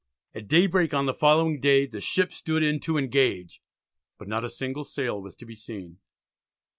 At daybreak on the following day the ships stood in to engage, but not a single sail was to be seen.